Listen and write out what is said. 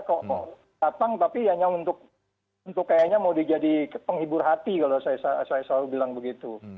kok datang tapi hanya untuk kayaknya mau dijadi penghibur hati kalau saya selalu bilang begitu